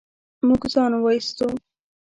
موږ ځان و ايستو.